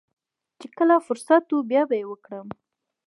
چې کله فرصت و بيا به يې وکړم.